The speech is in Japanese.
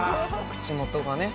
口元がね。